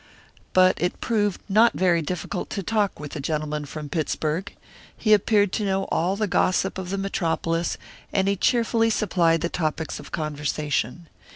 But it proved not very difficult to talk with the gentleman from Pittsburg. He appeared to know all the gossip of the Metropolis, and he cheerfully supplied the topics of conversation.